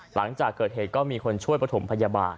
หลังจากเกิดเหตุก็มีคนช่วยประถมพยาบาล